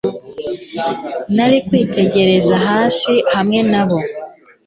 Nari kwiterera hasi hamwe nabo